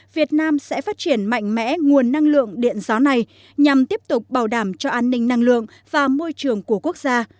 việt nam sẽ phát triển mạnh mẽ nguồn năng lượng điện gió này nhằm tiếp tục bảo đảm cho an ninh năng lượng và môi trường của quốc gia